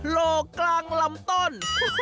โหลกกลางลำต้น